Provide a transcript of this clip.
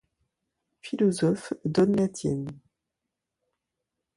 Philosophe, donne la tienne.